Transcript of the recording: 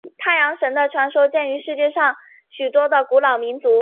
太阳神的传说见于世界上许多的古老民族。